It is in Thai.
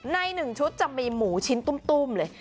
ใน๑ชุดจะมีหมูชิ้นตุ้มเลย